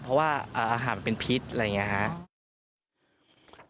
เพราะว่าอาหารเป็นพิษอะไรอย่างเงี้ยฮะ